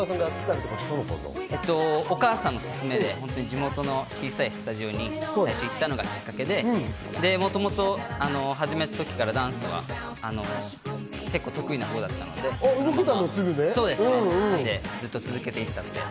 お母さんの勧めで地元の小さいスタジオにいったのがきっかけで、もともと始めた時からダンスは得意なほうだったので、ずっと続けていたので。